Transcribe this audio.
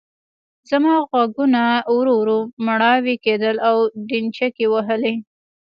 زما غوږونه ورو ورو مړاوي کېدل او ډينچکې وهلې.